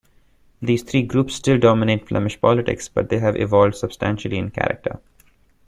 These three groups still dominate Flemish politics, but they have evolved substantially in character.